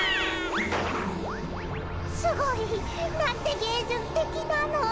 すごいなんてげいじゅつてきなの！